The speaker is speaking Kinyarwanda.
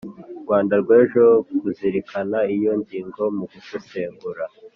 rwanda rw'ejo, kuzirikana iyo ngingo mu gusesengura